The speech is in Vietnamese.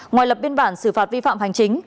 ngoài lập biên bản xử phạt vi phạm hành chính